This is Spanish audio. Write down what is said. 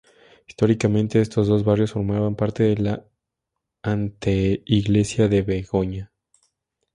Históricamente estos dos barrios formaban parte de la Anteiglesia de Begoña.